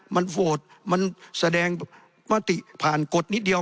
มันโหวตมันแสดงมติผ่านกฎนิดเดียว